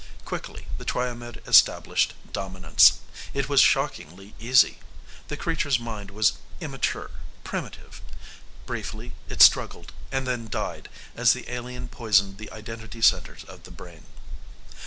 Quickly, the Triomed established dominance. It was shockingly easy. The creature's mind was immature, primitive. Briefly it struggled and then died as the alien poisoned the identity centers of the brain.